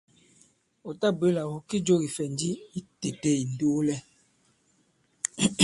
Ɔ̀ tabwě là ɔ̀ kê jo kìfɛ̀nji i tētē ì ndoolɛ.